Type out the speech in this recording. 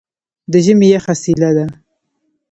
د ژمي یخه څیله ده.